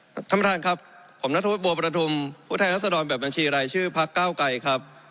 ท่านประธานครับผมนัทฮุทธบัวประธุมผู้แทนรัศนาลแบบบัญชีไรชื่อพรรคเก้าไก่ครับ